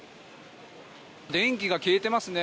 電気が消えてますね。